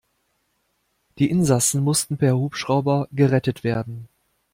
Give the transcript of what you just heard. Die Insassen mussten per Hubschrauber gerettet werden.